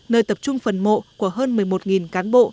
nơi tập trung phần mộ của hơn một mươi một cán bộ